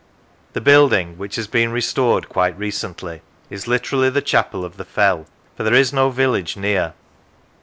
The building, which has been restored quite recently, is literally the chapel of the fell, for there is no village near.